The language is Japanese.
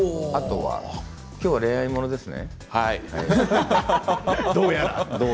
今日は恋愛ものですね。